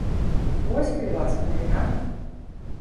Вось, калі ласка, навіна.